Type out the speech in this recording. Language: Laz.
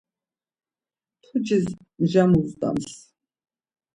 Pucis mja muzdams.